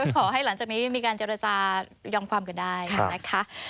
ขอให้หลังจากนี้มีการเจรจายอมความกันได้นะคะ